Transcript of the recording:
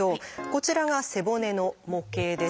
こちらが背骨の模型です。